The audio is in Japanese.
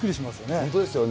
本当ですよね。